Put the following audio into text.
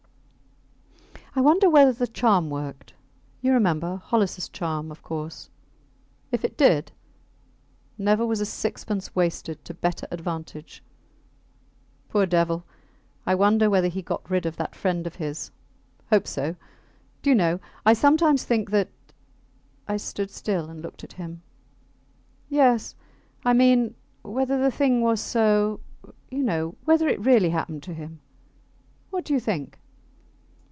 I wonder whether the charm worked you remember Holliss charm, of course. If it did ... Never was a sixpence wasted to better advantage! Poor devil! I wonder whether he got rid of that friend of his. Hope so. ... Do you know, I sometimes think that I stood still and looked at him. Yes ... I mean, whether the thing was so, you know ... whether it really happened to him. ... What do you think?